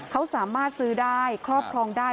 เขาสามารถซื้อได้ครอบครองได้